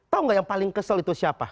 tau gak yang paling kesel itu siapa